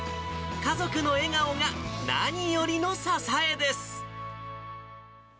家族の笑顔が何よりの支えです。